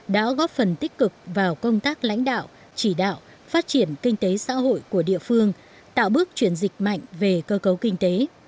đã góp phần tích cực vào công tác lãnh đạo chỉ đạo phát triển kinh tế xã hội của địa phương tạo bước chuyển dịch mạnh về cơ cấu kinh tế